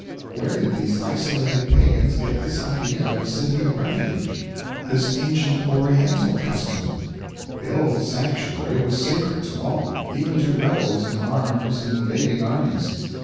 Where did these isolated pagans get this idea of a City of Refuge—this ancient Oriental custom? 527.jpg (73K) This old sanctuary was sacred to all—even to rebels in arms and invading armies.